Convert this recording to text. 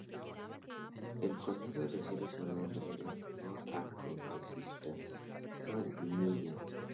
El condado recibe su nombre en honor al Congresista John Miller.